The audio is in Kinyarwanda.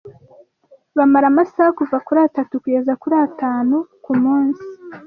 bamara amasaha kuva kuri atatu kugeza kuri atanu ku munsi